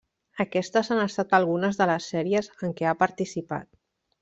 Aquestes han estat algunes de les sèries en què ha participat.